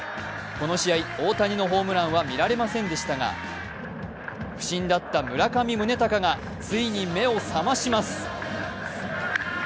この試合、大谷のホームランは見られませんでしたが不振だった村上宗隆がついに目を覚まします。